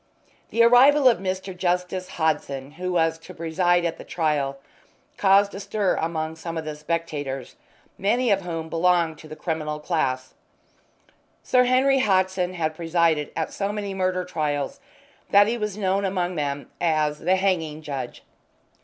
The arrival of Mr. Justice Hodson, who was to preside at the trial, caused a stir among some of the spectators, many of whom belonged to the criminal class. Sir Henry Hodson had presided at so many murder trials that he was known among them as "the Hanging Judge."